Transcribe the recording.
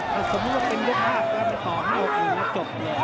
ถ้าสมมุติว่าเป็นลูก๕แล้วเป็นต่อห้าออกหนึ่งแล้วจบแล้ว